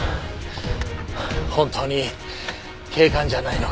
本当に警官じゃないのか？